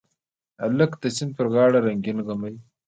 هلک د سیند پر غاړه رنګین غمي